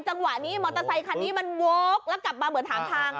จังหวะนี้มอเตอร์ไซคันนี้มันโว๊คแล้วกลับมาเหมือนถามทาง